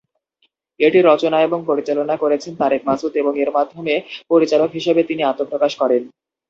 এটি রচনা এবং পরিচালনা করেছেন তারেক মাসুদ, এবং এর মাধ্যমে পরিচালক হিসেবে তিনি আত্মপ্রকাশ করেন।